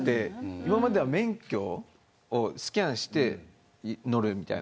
今までは免許をスキャンして乗るみたいな。